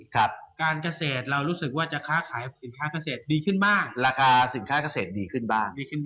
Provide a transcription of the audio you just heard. การเกษตรเรารู้สึกว่าจะค้าขายสินค้าเกษตรดีขึ้นบ้าง